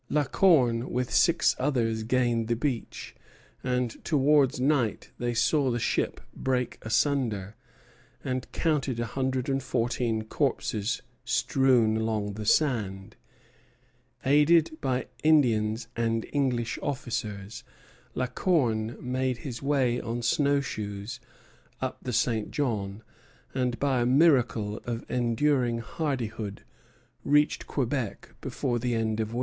La Corne with six others gained the beach; and towards night they saw the ship break asunder, and counted a hundred and fourteen corpses strewn along the sand. Aided by Indians and by English officers, La Corne made his way on snow shoes up the St. John, and by a miracle of enduring hardihood reached Quebec before the end of winter.